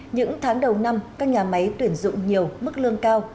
những tháng đầu năm các nhà máy tuyển dụng nhiều mức lương cao